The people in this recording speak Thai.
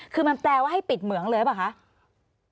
คือมันแปลว่าให้ปิดเหมืองเลยหรือเปล่าคะ